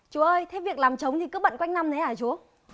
chú ơi thế việc làm trống thì cứ bận quanh năm đấy hả chúa